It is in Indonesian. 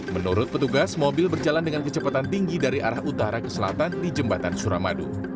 menurut petugas mobil berjalan dengan kecepatan tinggi dari arah utara ke selatan di jembatan suramadu